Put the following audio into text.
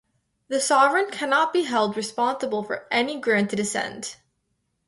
The sovereign cannot be held responsible for any granted assent.